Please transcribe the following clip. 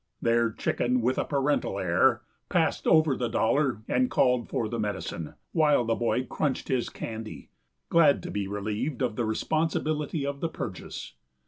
There Chicken, with a parental air, passed over the dollar and called for the medicine, while the boy crunched his candy, glad to be relieved of the responsibility of the purchase.